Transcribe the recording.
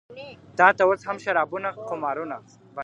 تا ته اوس هم شرابونه قمارونه ,